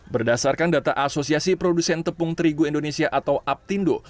berdasarkan data asosiasi produsen tepung terigu indonesia atau aptindo